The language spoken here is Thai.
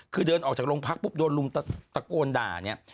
คือเดินออกจากโรงพักปุ๊บโดนลุมตะโกนด่าเนี่ย